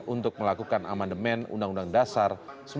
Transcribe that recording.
untuk melakukan amandemen undang undang dasar seribu sembilan ratus empat puluh lima